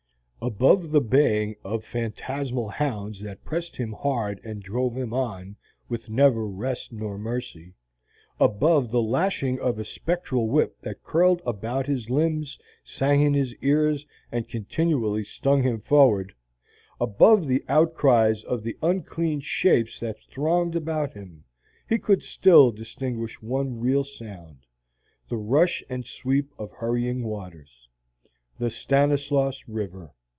Above the baying of phantasmal hounds that pressed him hard and drove him on, with never rest or mercy; above the lashing of a spectral whip that curled about his limbs, sang in his ears, and continually stung him forward; above the outcries of the unclean shapes that thronged about him, he could still distinguish one real sound, the rush and sweep of hurrying waters. The Stanislaus River!